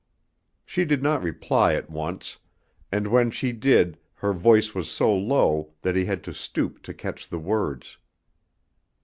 She did not reply at once, and when she did her voice was so low that he had to stoop to catch the words.